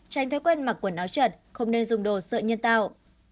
tránh thói quen mặc quần áo trợt không nên dùng đồ sợi như tao